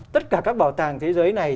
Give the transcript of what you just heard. tất cả các bảo tàng thế giới này